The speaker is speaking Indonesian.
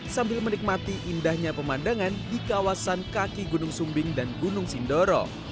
sambil menikmati indahnya pemandangan di kawasan kaki gunung sumbing dan gunung sindoro